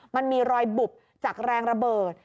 มันมีรอยบุบจากแรงระเบิด